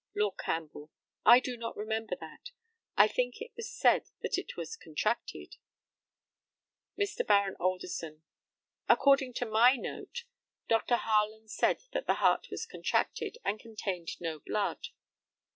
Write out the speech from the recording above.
Lord CAMPBELL: I do not remember that. I think it was said that it was contracted. Mr. Baron ALDERSON: According to my note, Dr. Harland said that the heart was contracted, and contained no blood.